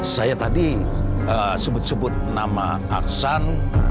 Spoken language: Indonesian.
saya tadi sebut sebut nama aksan